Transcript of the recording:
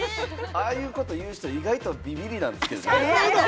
ああいう人、意外とビビリなんですけどね。